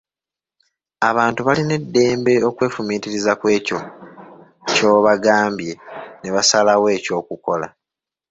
Abantu balina eddembe okwefumiitiriza kw'ekyo ky'obagambye ne basalawo eky'okukola.